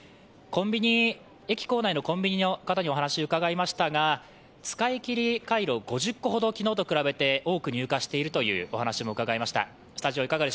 駅構内のコンビニの方にお話を伺いましたが、使い切りカイロ５０個ほど、昨日と比べて多く入荷しているというお話でした。